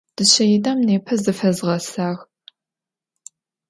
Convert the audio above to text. Dışseidem nêpe zıfezğesağ.